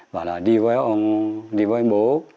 bảo là đi với ông đi với bố